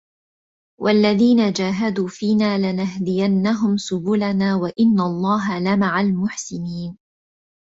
وَالَّذينَ جاهَدوا فينا لَنَهدِيَنَّهُم سُبُلَنا وَإِنَّ اللَّهَ لَمَعَ المُحسِنينَ